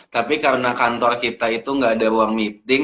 tapi karena kantor kita itu gak ada uang meeting